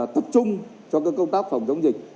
tập trung cho các công tác phòng chống dịch